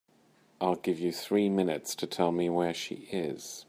I'll give you three minutes to tell me where she is.